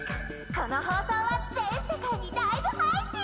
この放送は全世界にライブ配信！